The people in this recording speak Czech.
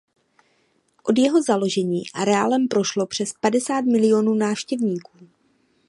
Od jeho založení areálem prošlo přes padesát milionů návštěvníků.